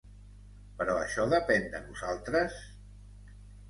Però això depèn de nosaltres?